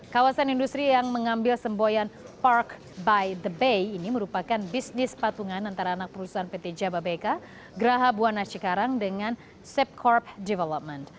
kawasan industri yang mengambil semboyan park by the bay ini merupakan bisnis patungan antara anak perusahaan pt jababeka geraha buwana cikarang dengan sab corp development